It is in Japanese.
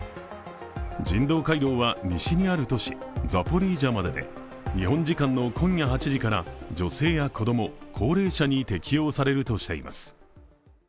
人道回廊は西にある都市ザポリージャまでで日本時間の今夜８時から女性や子供高齢者に適用されるとしています。